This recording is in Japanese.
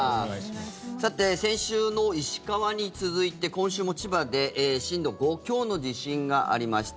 先週の石川に続いて今週も千葉で震度５強の地震がありました。